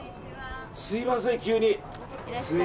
すみません急に。